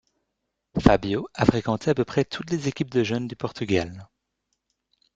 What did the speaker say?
Fábio a fréquenté à peu près toutes les équipes de jeunes du Portugal.